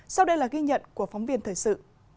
sau đây là ghi nhận của phóng viên thời sự